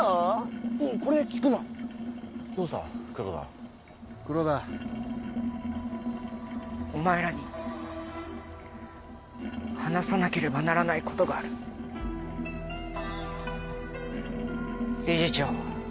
これ効くばいお前らに話さなければならないことがある理事長。